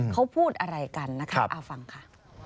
เขาพูดอะไรกันนะคะฟังค่ะ